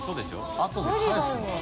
あとで返すのかな？